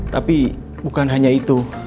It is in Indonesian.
tapi bukan hanya itu